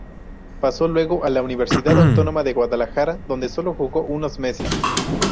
Pasó luego a la Universidad Autónoma de Guadalajara, donde solo jugó unos meses.